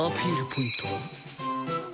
ポイントは？